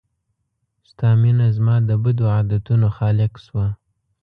ستا مينه زما د بدو عادتونو خالق شوه